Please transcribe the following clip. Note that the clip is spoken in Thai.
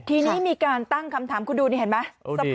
ทีนี้มีการตั้งคำถามคุณดูนี่เห็นไหม